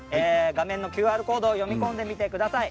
画面のＱＲコードを読み込んでみてください。